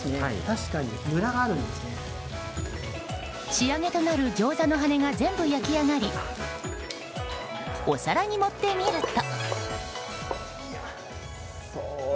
仕上げとなるギョーザの羽が全部焼き上がりお皿に盛ってみると。